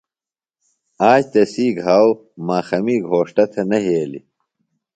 آج تسی گھاؤ ماخَمی گھوݜٹہ تھےۡ نہ یھیلیۡ۔